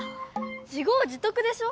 自業自得でしょ。